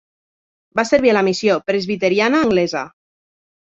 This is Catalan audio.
Va servir a la missió presbiteriana anglesa.